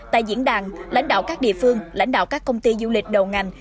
tại diễn đàn lãnh đạo các địa phương lãnh đạo các công ty du lịch đầu ngành